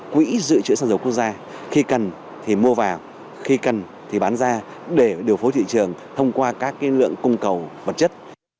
quỹ dự trữ sản dụng quốc gia khi cần thì mua vào khi cần thì bán ra để điều phố thị trường thông qua các cái lượng cung cầu vật chất